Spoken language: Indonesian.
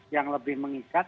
yang lebih mengikat